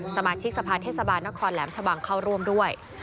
สมาชิกสภาเทศบาลนครแหลมชะบังเข้าร่วมด้วย